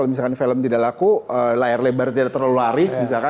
saya melihat kalau di film tidak laku layar lebar tidak terlalu laris